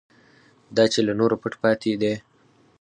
دا چې له نورو پټ پاتې دی.